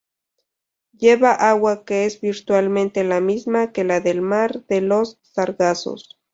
Lleva agua que es virtualmente la misma que la del mar de los Sargazos.